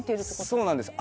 そうなんです